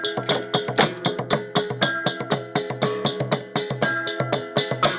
jika air dari kudala bisa dikejar lada yang pedas